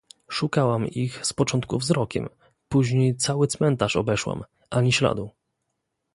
"Szukałam ich z początku wzrokiem, później cały cmentarz obeszłam Ani śladu!"